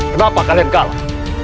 kenapa kalian kalah